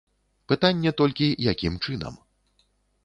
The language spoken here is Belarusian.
Пытанне толькі, якім чынам.